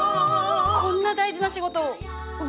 こんな大事な仕事を私が？